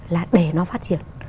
là để nó phát triển